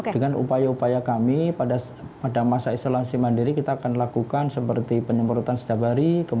dengan upaya upaya kami pada masa isolasi mandiri kita akan lakukan seperti penyemurutan setabari